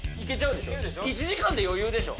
１時間で余裕でしょ？